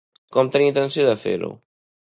Com tenia intenció de fer-ho?